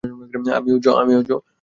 আমিও, জো।